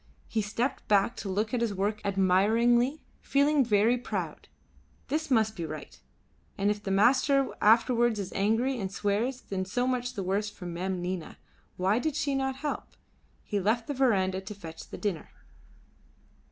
He stepped back to look at his work admiringly, feeling very proud. This must be right; and if the master afterwards is angry and swears, then so much the worse for Mem Nina. Why did she not help? He left the verandah to fetch the dinner.